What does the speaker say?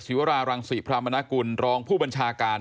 วรารังศิพรามนากุลรองผู้บัญชาการ